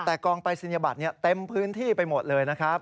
แต่การ์งไปศิริยบัตรนี้เต็มพื้นที่ไปหมดเลยนะครับ